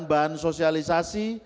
dalam bahan bahan sosialisasi